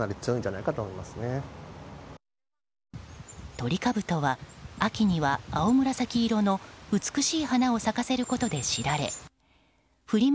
トリカブトは秋には青紫色の美しい花を咲かせることで知られフリマ